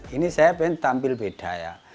ini saya ingin tampil beda ya